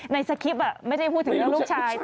ในสกริปไม่ได้พูดถึงลูกชาย